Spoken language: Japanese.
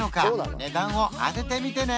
値段を当ててみてね